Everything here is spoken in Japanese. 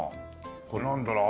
これなんだろう？